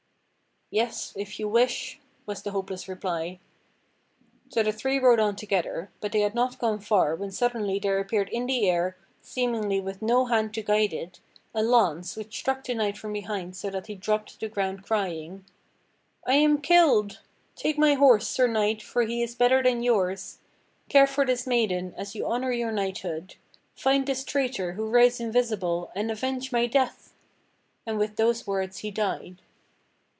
"Yes, if you wish," was the hopeless reply. So the three rode on together, but they had not gone far when suddenly there appeared in the air, seemingly with no hand to guide it, a lance which struck the knight from behind so that he dropped to the ground crying: "I am killed! Take my horse. Sir Knight, for he is better than yours. Care for this maiden, as you honor your knighthood. Find this traitor who rides invisible, and avenge my death!" And with those words he died.